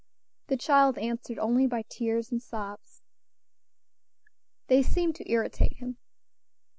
The child answered only by tears and sobs. They seemed to irritate him.